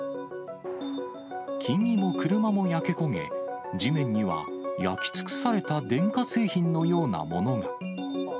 木々も車も焼け焦げ、地面には焼き尽くされた電化製品のようなものが。